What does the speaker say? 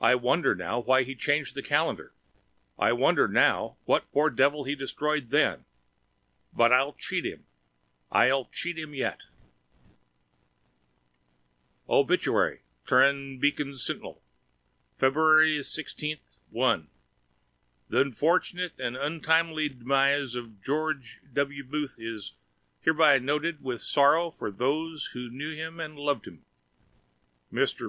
I wonder now why he changed the calendar. I wonder now what poor devil he destroyed then. But I'll cheat him! I'll cheat him yet! Obituary, Trran Bacon Sntinl, Fbruary 16, 1 Th unfortunat and untimly dmis of Gorg W. Booth is hrby notd with sorrow by thos who knw and lovd him. Mr.